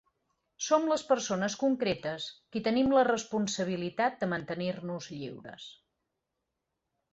Som les persones concretes qui tenim la responsabilitat de mantenir-nos lliures.